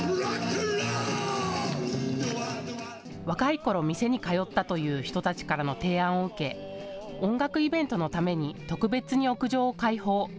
若いころ店に通ったという人たちからの提案を受け音楽イベントのために特別に屋上を開放。